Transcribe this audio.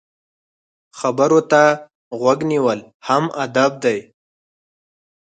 خبرو ته غوږ نیول هم ادب دی.